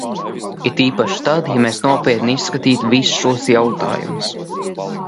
It īpaši tad, ja mēs nopietni izskatītu visus šos jautājumus.